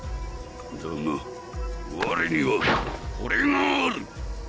だがわれにはこれがある！